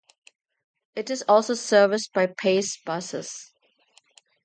It is also serviced by Pace buses.